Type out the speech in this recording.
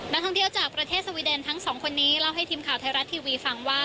นักท่องเที่ยวจากประเทศสวีเดนทั้งสองคนนี้เล่าให้ทีมข่าวไทยรัฐทีวีฟังว่า